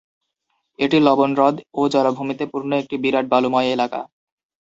এটি লবণ হ্রদ ও জলাভূমিতে পূর্ণ একটি বিরাট বালুময় এলাকা।